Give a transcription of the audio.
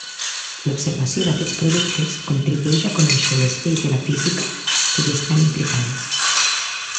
L'observació d'aquests productes contribueix a conèixer les lleis de la física que hi estan implicades.